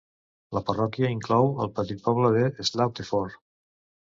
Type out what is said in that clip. La parròquia inclou el petit poble de Slaughterford.